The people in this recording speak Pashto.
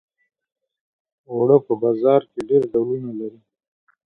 اوړه په بازار کې ډېر ډولونه لري